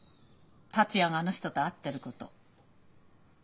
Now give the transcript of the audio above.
達也があの人と会ってること。